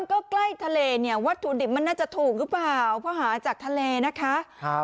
ก็ใกล้ทะเลนี่วัดทรุดิบน่าจะถูกหรือเปล่าเพราะหาจากทะเลนะคะ